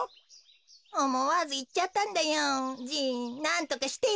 おもわずいっちゃったんだよ。